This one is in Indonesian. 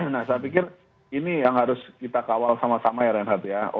nah saya pikir ini yang harus kita kawal sama sama ya reinhardt ya